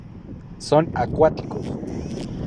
Son acuáticos.